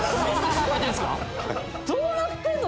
どうなってんの？